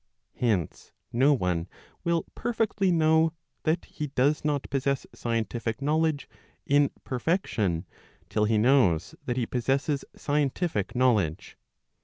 Hence no one will perfectly know that he does not possess scientific knowledge [in perfection], till he knows that he possesses scientific knowledge.